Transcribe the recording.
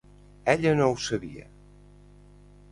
Ella no ho sabia.